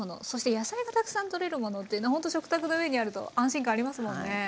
そして野菜がたくさんとれるものっていうのほんと食卓の上にあると安心感ありますもんね。